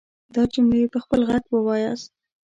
دا جملې په خپل غږ وواياست.